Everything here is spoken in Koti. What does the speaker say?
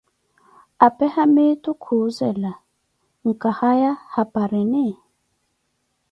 apee haamitu kuuzela, Nkahaya haparini?